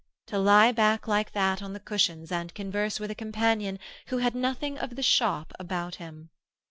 To lie back like that on the cushions and converse with a companion who had nothing of the shop about him!